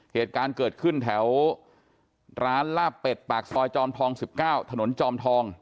เหตุการณ์เกิดขึ้นแถวร้านลาบเป็ดปากซอยจอมทอง๑๙ถนนจอมทอง